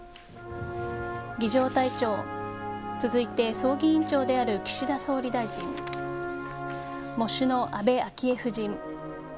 儀仗隊長、続いて葬儀委員長である岸田総理大臣喪主の安倍昭恵夫人